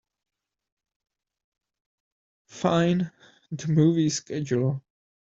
Fine the movie schedule.